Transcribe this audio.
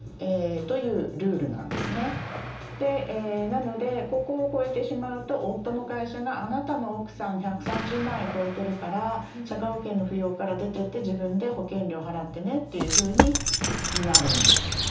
なのでここを超えてしまうと夫の会社があなたの奥さん１３０万円超えてるから社会保険の扶養から出てって自分で保険料を払ってねというふうになるんです。